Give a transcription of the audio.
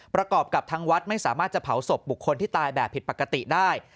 ประกอบกับทางวัดไม่สามารถจะเผาศพบุคคลที่ตายแบบผิดปกติได้